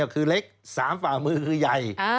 คือเล็ก๓ฝ่ามือคือใหญ่